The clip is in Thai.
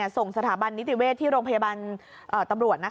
ส่งสถาบันนิติเวศที่โรงพยาบาลตำรวจ